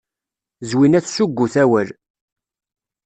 Zwina tessuggut awal.